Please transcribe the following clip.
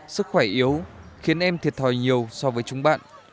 sức khỏe yếu khiến em thiệt thòi nhiều so với chúng bạn